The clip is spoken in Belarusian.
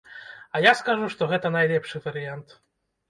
А я скажу, што гэта найлепшы варыянт.